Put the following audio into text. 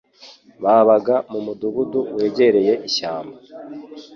Babaga mu mudugudu wegereye ishyamba.